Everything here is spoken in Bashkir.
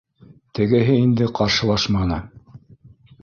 Тегеһе инде ҡаршылашманы